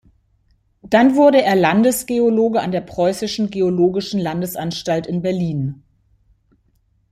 Dann wurde er Landesgeologe an der Preußischen Geologischen Landesanstalt in Berlin.